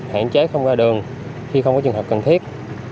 hạn chế không ra đường khi không có trường hợp cần thiết